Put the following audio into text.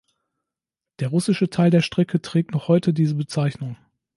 Der russische Teil der Strecke trägt noch heute diese Bezeichnung.